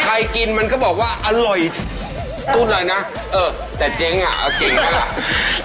ใครกินมันก็บอกว่าอร่อยตู้เลยนะเออแต่เจ๊งอ่ะเก่งมาก